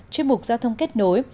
chuyên mục giao thông kết nối